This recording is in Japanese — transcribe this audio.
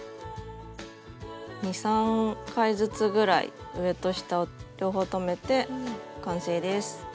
２３回ずつぐらい上と下を両方留めて完成です。